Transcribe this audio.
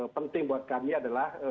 penting buat kami adalah